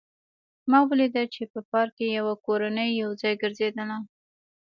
ما ولیدل چې په پارک کې یوه کورنۍ یو ځای ګرځېدله